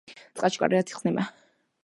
წყალში კარგად იხსნება.